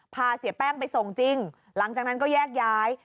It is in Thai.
เสียแป้งไปส่งจริงหลังจากนั้นก็แยกย้าย